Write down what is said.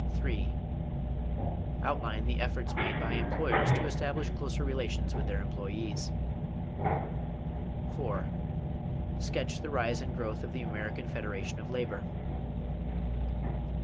3. Outline the efforts made by employers to establish closer relations with their employees. 4. Sketch the rise and growth of the American Federation of Labor.